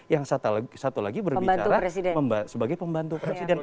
yang satu lagi berbicara sebagai pembantu presiden